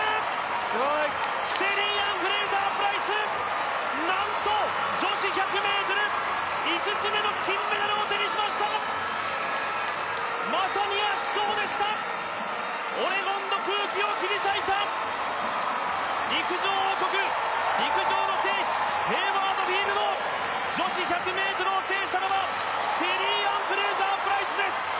すごいシェリーアン・フレイザープライス何と女子１００ｍ５つ目の金メダルを手にしましたまさに圧勝でしたオレゴンの空気を切り裂いた陸上王国陸上の聖地ヘイワード・フィールド女子１００ｍを制したのはシェリーアン・フレイザープライスです